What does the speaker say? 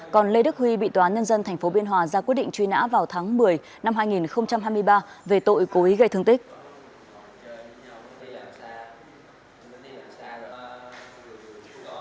còn lê đức huy bị tòa án nhân dân tp biên hòa ra quyết định truy nã vào tháng một mươi năm hai nghìn hai mươi ba về tội cố ý gây thương tích